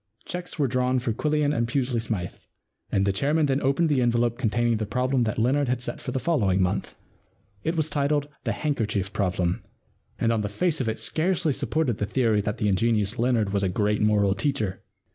* Cheques were drawn for Quillian and Pusely Smythe, and the chairman then opened the envelope containing the problem that Leonard had set for the following month. It was entitled * The Handkerchief Problem,' and on the face of it scarcely supported the theory that the ingenious Leonard was a 82 The Win and Lose Problem Great Moral Teacher.